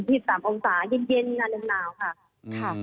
อืม๒๓องศาเย็นนาลงนาวค่ะ